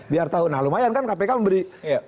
biar tahu nah lumayan kan kpk memberi